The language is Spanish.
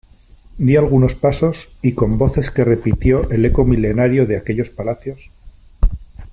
di algunos pasos , y con voces que repitió el eco milenario de aquellos palacios ,